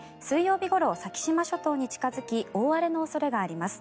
日ごろ、先島諸島に近付き大荒れの予想があります。